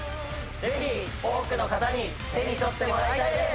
ぜひ多くの方に手に取ってもらいたいです。